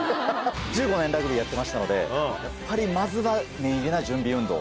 やってましたのでやっぱりまずは念入りな準備運動。